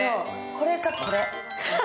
これかこれ。